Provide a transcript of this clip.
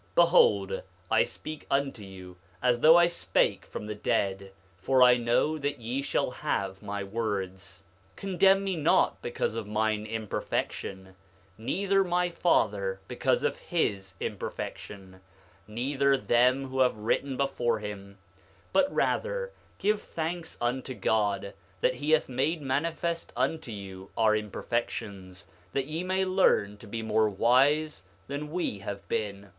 9:30 Behold, I speak unto you as though I spake from the dead; for I know that ye shall have my words. 9:31 Condemn me not because of mine imperfection, neither my father, because of his imperfection, neither them who have written before him; but rather give thanks unto God that he hath made manifest unto you our imperfections, that ye may learn to be more wise than we have been.